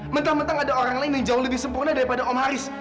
mentang mentang ada orang lain yang jauh lebih sempurna daripada om haris